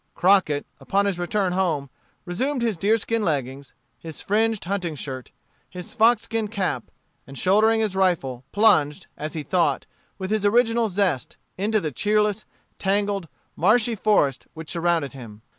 Crockett, upon his return home, resumed his deerskin leggins, his fringed hunting shirt, his fox skin cap, and shouldering his rifle, plunged, as he thought, with his original zest, into the cheerless, tangled, marshy forest which surrounded him.